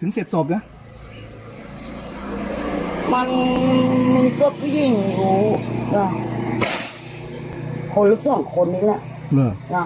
ถึงเสร็จศพเนี่ย